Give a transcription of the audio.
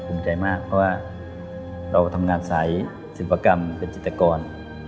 ใจมากเพราะว่าเราทำงานสายศิลปกรรมเป็นจิตกร